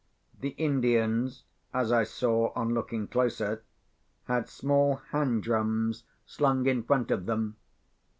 The Indians, as I saw on looking closer, had small hand drums slung in front of them.